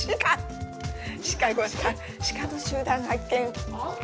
鹿の集団を発見！